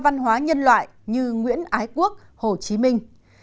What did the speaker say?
văn hóa nhân loại như nguyễn ái quốc hồ chí minh